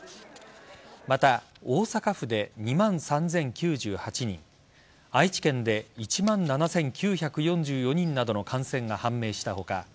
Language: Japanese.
また、大阪府で２万３０９８人愛知県で１万７９４４人などの感染が判明した他